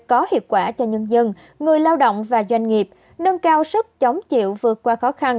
có hiệu quả cho nhân dân người lao động và doanh nghiệp nâng cao sức chống chịu vượt qua khó khăn